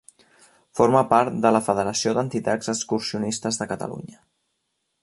Forma part de la Federació d'Entitats Excursionistes de Catalunya.